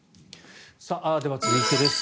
では、続いてです。